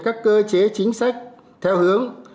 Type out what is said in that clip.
các cơ chế chính sách theo hướng